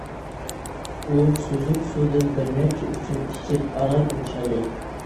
ئۇ سۈزۈك سۇدىن بىرنەچچە ئوچۇم ئىچىپ ئاران ئوڭشالدى.